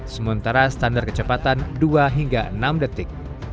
sementara standar kecepatan dua hingga enam detik